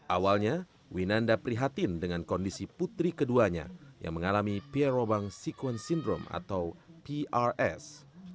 awalnya winanda prihatin dengan kondisi putri keduanya yang mengalami pierobang sequent syndrome atau prs